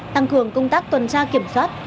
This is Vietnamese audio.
tăng cường công tác tuần tra kiểm soát